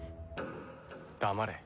黙れ。